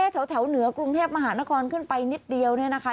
แถวเหนือกรุงเทพมหานครขึ้นไปนิดเดียวเนี่ยนะคะ